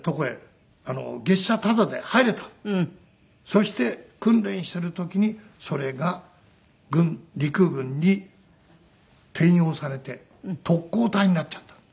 そして訓練してる時にそれが陸軍に転用されて特攻隊になっちゃった。